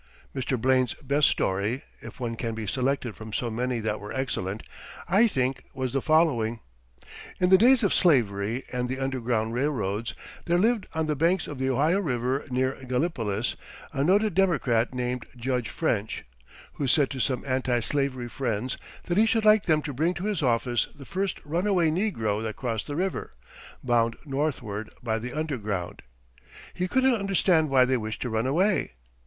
[Illustration: Photograph from Underwood & Underwood, N.Y. JAMES G. BLAINE] Mr. Blaine's best story, if one can be selected from so many that were excellent, I think was the following: In the days of slavery and the underground railroads, there lived on the banks of the Ohio River near Gallipolis, a noted Democrat named Judge French, who said to some anti slavery friends that he should like them to bring to his office the first runaway negro that crossed the river, bound northward by the underground. He couldn't understand why they wished to run away.